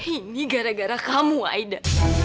ini gara gara kamu aida